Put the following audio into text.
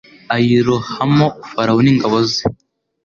ayirohamo Farawo n’ingabo ze